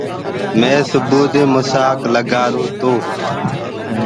مينٚ سُبئو دي موسآگ لگآرو گو۔